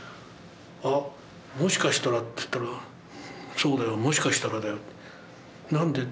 「あっもしかしたら」って言ったら「そうだよもしかしたらだよ何で？」。